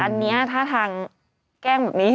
อันนี้ท่าทางแกล้งแบบนี้